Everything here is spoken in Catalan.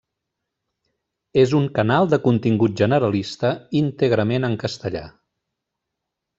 És un canal de contingut generalista íntegrament en castellà.